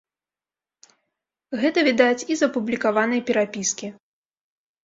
Гэта відаць і з апублікаванай перапіскі.